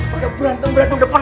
pakai berantem berantem depan